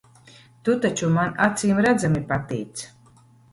Tu taču man acīmredzami patīc.